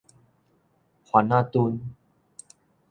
番仔墩